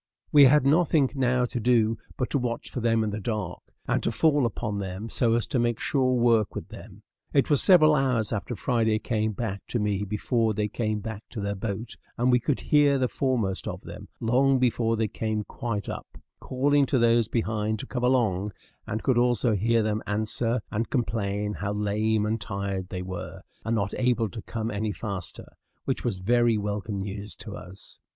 We had nothing now to do but to watch for them in the dark, and to fall upon them, so as to make sure work with them. It was several hours after Friday came back to me before they came back to their boat; and we could hear the foremost of them, long before they came quite up, calling to those behind to come along, and could also hear them answer, and complain how lame and tired they were, and not able to come any faster, which was very welcome news to us.